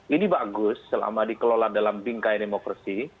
ini bagus selama dikelola dalam bingkai demokrasi